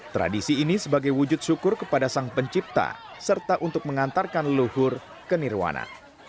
tradisi ini sebagai wujud syukur kepada sang pencipta serta untuk mengantarkan leluhur ke nirwana